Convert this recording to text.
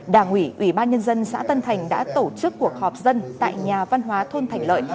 đảng ủy ủy ban nhân dân xã tân thành đã tổ chức cuộc họp dân tại nhà văn hóa thôn thành lợi